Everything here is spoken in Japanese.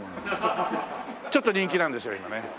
ちょっと人気なんですよ今ね。